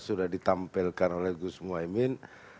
sudah ditampilkan oleh gus muhaymin